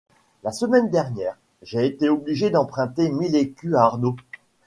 La semaine dernière j’ai été obligée d’emprunter mille écus à Armand.